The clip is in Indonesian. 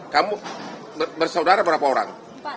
kamu bersaudara berapa orang